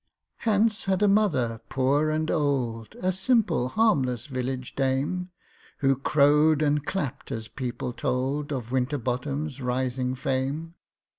HANCE had a mother, poor and old, A simple, harmless village dame, Who crowed and clapped as people told Of WINTERBOTTOM'S rising fame.